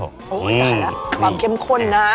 โอ้ยใจแล้วความเข้มข้นนะ